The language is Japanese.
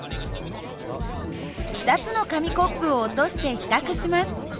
２つの紙コップを落として比較します。